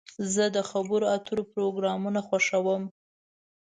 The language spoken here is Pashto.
زه د خبرو اترو پروګرامونه خوښوم.